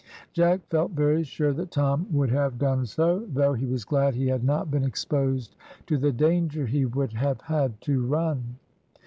Jack felt very sure that Tom would have done so, though he was glad he had not been exposed to the danger he would have had to run.